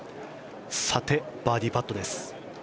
さて、バーディーパットです。